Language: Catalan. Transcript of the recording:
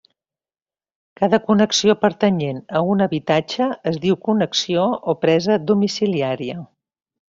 Cada connexió pertanyent a un habitatge es diu connexió o presa domiciliària.